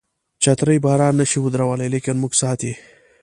چترۍ باران نشي ودرولای لیکن موږ ساتي.